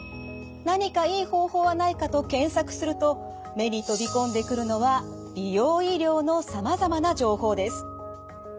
何かいい方法はないかと検索すると目に飛び込んでくるのは美容医療のさまざまな情報です。